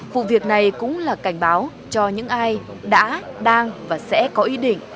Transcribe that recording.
vụ việc này cũng là cảnh báo cho những ai đã đang và sẽ có ý định